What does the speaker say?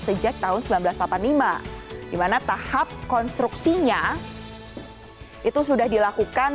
sejak tahun seribu sembilan ratus delapan puluh lima dimana tahap konstruksinya itu sudah dilakukan